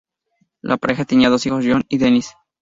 La pareja tenía dos hijos, John y Dennis.